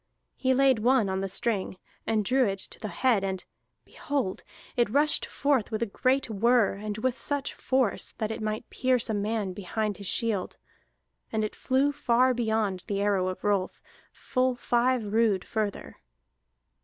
He laid one on the string, and drew it to the head, and behold! it rushed forth with a great whir, and with such force that it might pierce a man behind his shield. And it flew far beyond the arrow of Rolf, full five rood further.